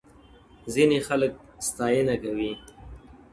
ځيني خلک ستاينه کوي,